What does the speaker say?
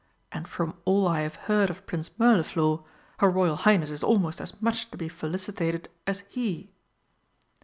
And from all I have heard of Prince Mirliflor, her Royal Highness is almost as much to be felicitated as he!"